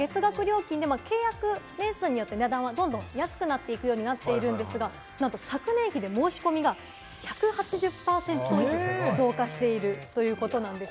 契約年数によって値段はどんどん安くなっていくようになってるんですが、なんと昨年、申し込みが１８０％増加しているという。